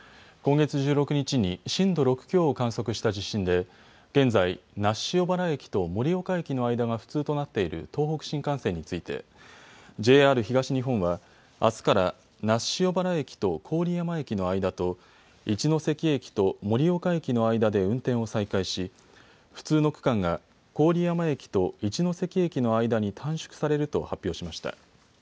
今月１６日に震度６強を観測した地震で現在、那須塩原駅と盛岡駅の間が不通となっている東北新幹線について、ＪＲ東日本はあすから那須塩原駅と郡山駅の間と一ノ関駅と盛岡駅の間で運転を再開し不通の区間が郡山駅と一ノ関駅の間に短縮されると発表しました。